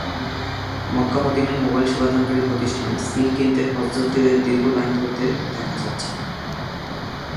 মক্কা-মদিনায় mobile সেবাদানকারী প্রতিষ্ঠানে SIM কিনতে হজযাত্রীদের দীর্ঘ লাইন ধরতে দেখা যাচ্ছে।